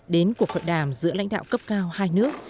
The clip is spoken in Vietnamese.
đến cuộc thuận đàm giữa lãnh đạo cấp cao hai nước